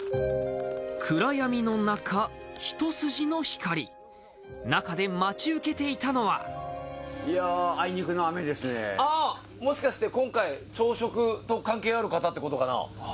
暗闇の中ひと筋の光中で待ち受けていたのはいやああもしかして今回朝食と関係ある方ってことかなああ